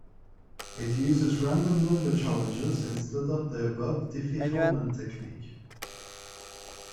It uses random number challenges instead of the above Diffie-Hellman technique.